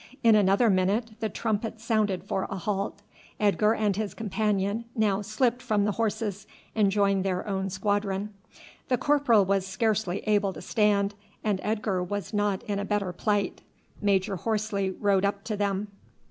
In another minute the trumpet sounded for a halt. Edgar and his companion now slipped from the horses and joined their own squadron. The corporal was scarce able to stand, and Edgar was not in a better plight. Major Horsley rode up to them.